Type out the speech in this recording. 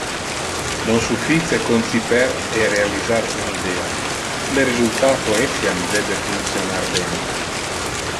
Non suffice conciper e realisar un idea; le resultato etiam debe functionar ben.